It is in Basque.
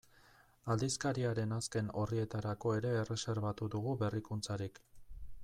Aldizkariaren azken orrietarako ere erreserbatu dugu berrikuntzarik.